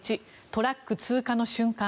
トラック通過の瞬間